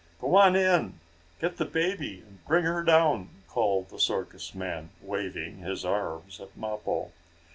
"Go on in! Get the baby and bring her down!" called the circus man, waving his arms at Mappo.